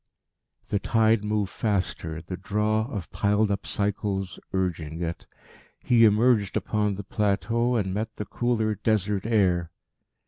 The tide moved faster, the draw of piled up cycles urging it. He emerged upon the plateau, and met the cooler Desert air.